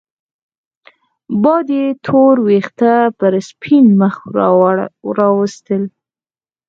باد يې تور وېښته پر سپين مخ راوستل